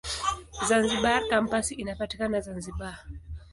Zanzibar Kampasi inapatikana Zanzibar.